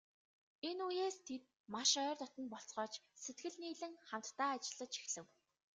Энэ үеэс тэд маш ойр дотно болцгоож, сэтгэл нийлэн хамтдаа ажиллаж эхлэв.